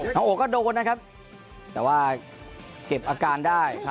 โอก็โดนนะครับแต่ว่าเก็บอาการได้